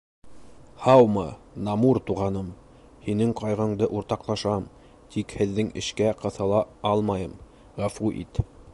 — Һаумы, Намур туғаным! һинең ҡайғыңды уртаҡлашам, тик һеҙҙең эшкә ҡыҫыла алмайым, ғәфү ит.